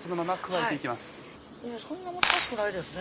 そんな難しくないですね